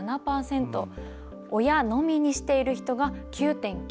親のみにしている人が９．９％。